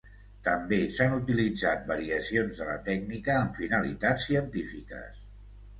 També s'han utilitzat variacions de la tècnica amb finalitats científiques.